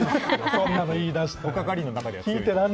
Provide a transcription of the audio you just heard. そんなの言い出したら。